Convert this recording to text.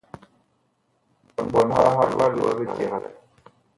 Ɓɔɔn ɓaha ɓa loɛ biceglɛɛ.